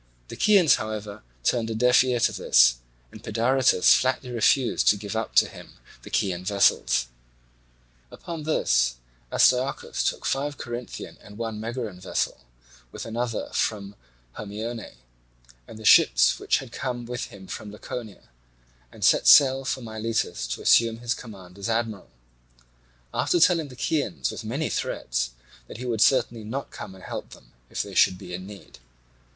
The Chians, however, turned a deaf ear to this, and Pedaritus flatly refused to give up to him the Chian vessels. Upon this Astyochus took five Corinthian and one Megarian vessel, with another from Hermione, and the ships which had come with him from Laconia, and set sail for Miletus to assume his command as admiral; after telling the Chians with many threats that he would certainly not come and help them if they should be in need.